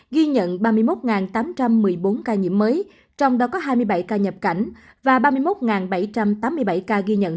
ghi nhận ba mươi một tám trăm một mươi bốn ca nhiễm mới trong đó có hai mươi bảy ca nhập cảnh và ba mươi một bảy trăm tám mươi bảy ca ghi nhận